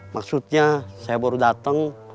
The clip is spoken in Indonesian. maksudnya saya baru dateng